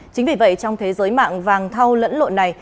chính vì vậy trong thế giới mạng vàng thau lẫn lộn này